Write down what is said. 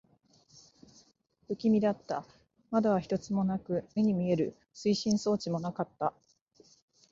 不気味だった。窓は一つもなく、目に見える推進装置もなかった。